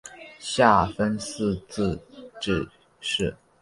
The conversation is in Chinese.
下分四自治市。